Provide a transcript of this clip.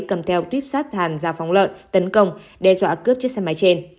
cầm theo tuyếp sát hàn gia phóng lợn tấn công đe dọa cướp chiếc xe máy trên